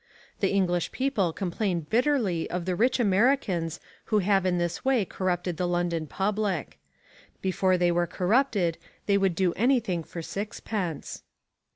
The English people complain bitterly of the rich Americans who have in this way corrupted the London public. Before they were corrupted they would do anything for sixpence.